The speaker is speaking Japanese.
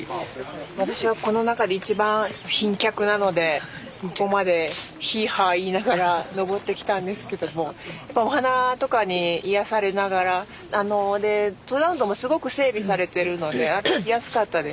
私がこの中で一番貧脚なのでここまでヒーハー言いながら登ってきたんですけどもやっぱお花とかに癒やされながらで登山道もすごく整備されてるので歩きやすかったです。